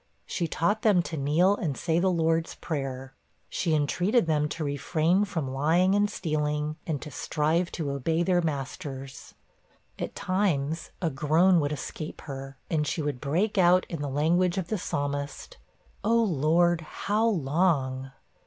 She taught them to kneel and say the Lord's Prayer. She entreated them to refrain from lying and stealing, and to strive to obey their masters. At times, a groan would escape her, and she would break out in the language of the Psalmist 'Oh Lord, how long?'